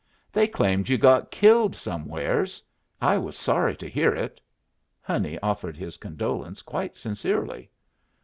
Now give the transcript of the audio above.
"They claimed you got killed somewheres. I was sorry to hear it." Honey offered his condolence quite sincerely.